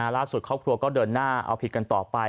ครอบครัวก็เดินหน้าเอาผิดกันต่อไป